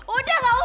udah gak usah